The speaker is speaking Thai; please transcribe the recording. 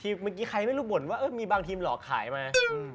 เมื่อกี้ใครไม่รู้บ่นว่ามีบางทีมหลอกขายมา